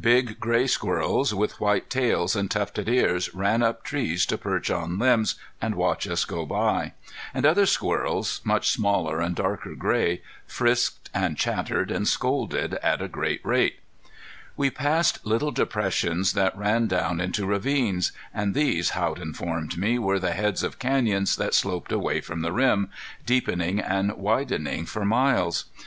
Big gray squirrels with white tails and tufted ears ran up trees to perch on limbs and watch us go by; and other squirrels, much smaller and darker gray, frisked and chattered and scolded at a great rate. [Illustration: LISTENING FOR THE HOUNDS] We passed little depressions that ran down into ravines, and these, Haught informed me, were the heads of canyons that sloped away from the rim, deepening and widening for miles.